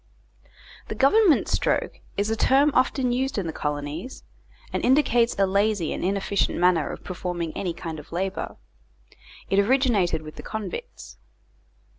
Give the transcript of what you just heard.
"The Government Stroke" is a term often used in the colonies, and indicates a lazy and inefficient manner of performing any kind of labour. It originated with the convicts.